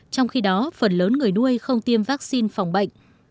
trong khi đó phần lớn người nuôi không tiêm vaccine phòng bệnh